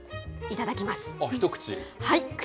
一口？